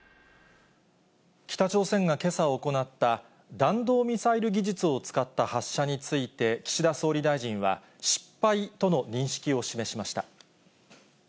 北朝鮮がけさ行った弾道ミサイル技術を使った発射について、岸田総理大臣は失敗との認識を示しました。